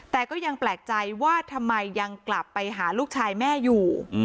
แต่ก็ยังแปลกใจว่าทำไมยังกลับไปหาลูกชายแม่อยู่